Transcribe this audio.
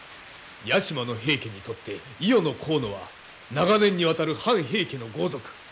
屋島の平家にとって伊予の河野は長年にわたる反平家の豪族。